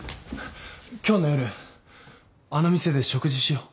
今日の夜あの店で食事しよ。